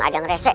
ada yang resek